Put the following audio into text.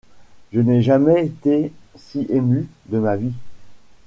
Je n'ai jamais été si ému de ma vie.